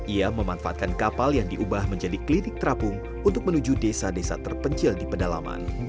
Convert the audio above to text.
ia memanfaatkan kapal yang diubah menjadi klinik terapung untuk menuju desa desa terpencil di pedalaman